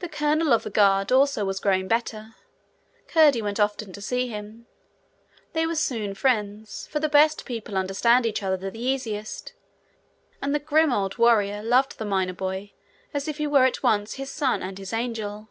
The colonel of the guard also was growing better. Curdie went often to see him. They were soon friends, for the best people understand each other the easiest, and the grim old warrior loved the miner boy as if he were at once his son and his angel.